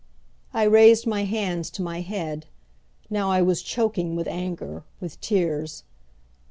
I raised my hands to my head. Now I was choking with anger, with tears.